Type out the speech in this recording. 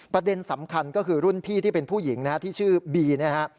ประเด็นสำคัญก็คือรุ่นพี่ที่เป็นผู้หญิงนะฮะที่ชื่อบีนะฮะ